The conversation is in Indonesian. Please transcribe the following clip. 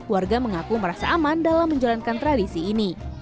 warga mengaku merasa aman dalam menjalankan tradisi ini